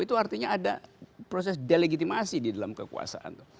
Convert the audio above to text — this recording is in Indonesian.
itu artinya ada proses delegitimasi di dalam kekuasaan